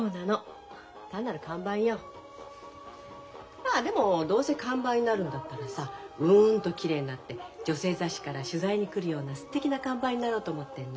まあでもどうせ看板になるんだったらさうんときれいになって女性雑誌から取材に来るようなすてきな看板になろうと思ってんの。